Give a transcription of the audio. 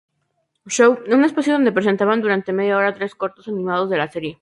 Show", un espacio donde presentaban durante media hora, tres cortos animados de la serie.